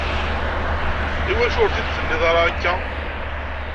Iwacu ur t-id-tenniḍ ara akka?